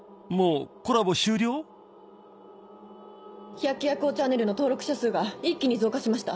『百鬼夜行ちゃんねる』の登録者数が一気に増加しました。